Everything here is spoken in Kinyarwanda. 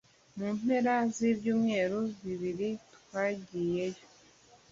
mu mpera z'ibyumweru bibiri, twagiyeyo